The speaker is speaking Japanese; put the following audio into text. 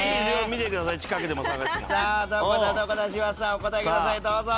お答えくださいどうぞ！